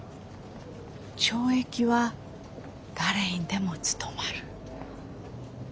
懲役は誰にでも務まる。